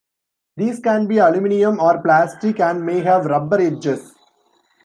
These can be aluminium or plastic and may have rubber edges.